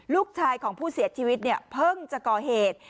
ลูกชายของผู้เสียชีวิตเนี่ยเพิ่งจะก่อเหตุ